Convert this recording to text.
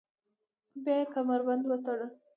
بیا یې کمربند وتړلو.